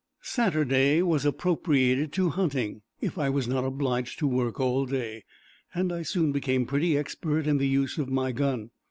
Saturday was appropriated to hunting, if I was not obliged to work all day, and I soon became pretty expert in the use of my gun.